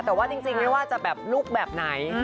แต่ว่าจริงไม่ว่าจะแบบลูกแบบไหน